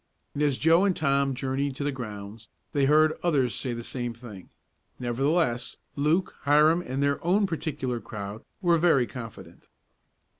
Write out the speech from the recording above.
And as Joe and Tom journeyed to the grounds they heard others say the same thing. Nevertheless, Luke, Hiram and their own particular crowd were very confident.